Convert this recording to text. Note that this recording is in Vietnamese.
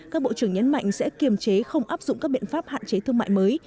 các bộ trưởng nhấn mạnh sẽ kiềm chế không áp dụng các biện pháp hạn chế thương mại mới